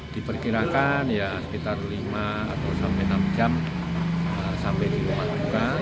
diperkirakan ya sekitar lima atau sampai enam jam sampai di rumah duka